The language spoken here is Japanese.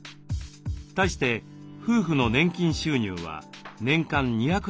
対して夫婦の年金収入は年間２８５万円。